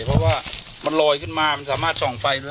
เพราะว่ามันลอยขึ้นมามันสามารถส่องไฟด้วย